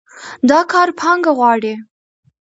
دا کار پانګه غواړي.